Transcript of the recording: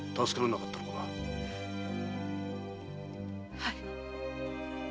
はい。